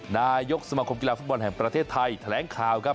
นายกสมคมกีฬาฟุตบอลแห่งประเทศไทยแถลงข่าวครับ